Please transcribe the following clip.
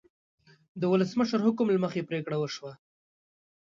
د ولسمشر حکم له مخې پریکړه وشوه.